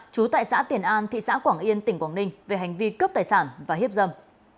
chú tại xã tiền an thị xã quảng yên tỉnh quảng ninh về hành vi cướp tài sản và hiếp dâm